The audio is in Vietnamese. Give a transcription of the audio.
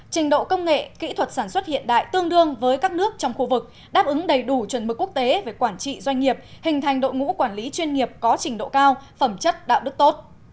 trình độ công nghệ kỹ thuật sản xuất hiện đại tương đương với các nước trong khu vực đáp ứng đầy đủ chuẩn mực quốc tế về quản trị doanh nghiệp hình thành đội ngũ quản lý chuyên nghiệp có trình độ cao phẩm chất đạo đức tốt